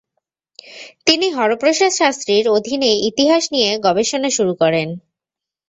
তিনি হরপ্রসাদ শাস্ত্রীর অধীনে ইতিহাস নিয়ে গবেষণা শুরু করেন।